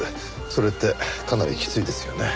それってかなりきついですよね。